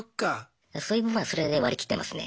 そういう部分はそれで割り切ってますね。